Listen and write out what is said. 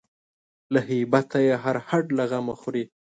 له هیبته یې هر هډ له غمه خوري